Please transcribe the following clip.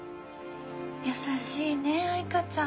優しいね藍花ちゃん。